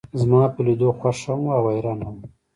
زما پۀ لیدو خوښ هم و او حیران هم.